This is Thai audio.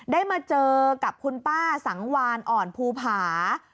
ได้มาเจอกับคุณป้าสังวานอ่อนภูผา